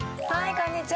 こんにちは。